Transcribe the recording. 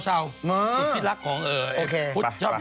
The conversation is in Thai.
สุขที่รักของถุงจักรไป